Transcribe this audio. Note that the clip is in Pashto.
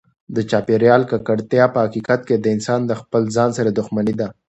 د چاپیریال ککړتیا په حقیقت کې د انسان د خپل ځان سره دښمني ده.